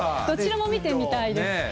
どちらも見てみたいです。